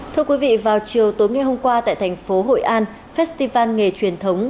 thưa quý vị vào chiều tối ngày hôm qua tại thành phố hội an festival nghề truyền thống